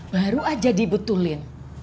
baru aja dibetulin